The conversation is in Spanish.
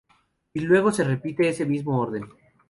Y luego se repite este mismo orden.